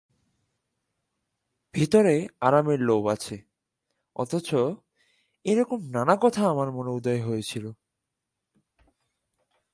ভিতরে আরামের লোভ আছে, অথচ– এইরকম নানা কথা আমার মনে উদয় হয়েছিল।